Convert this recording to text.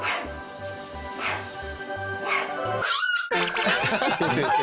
ハハハハ！